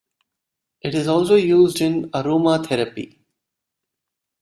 It is also used in aromatherapy.